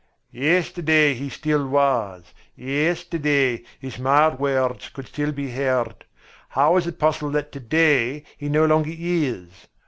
"Yesterday he still was, yesterday his mild words still could be heard. How is it possible that to day he no longer is?